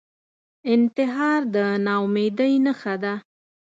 انتحار د ناامیدۍ نښه ده